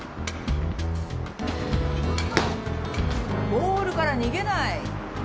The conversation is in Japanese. ボールから逃げない。